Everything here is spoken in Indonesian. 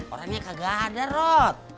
orangnya gak ada rod